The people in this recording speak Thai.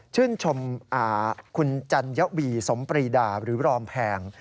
ชื่นชมคุณจัญวีสมปรีดาหรือรอมแพง